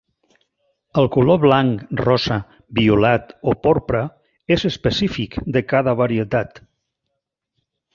El color blanc, rosa, violat o porpra és específic de cada varietat.